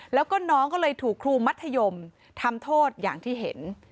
แล้วก็น้องก็เลยถูกครูมัธยมทำโทษอย่างที่เห็น